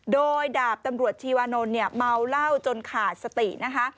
โดยดาบตำรวจชีวานนท์เนี่ยเมาเหล้าจนขาดสตินะคะ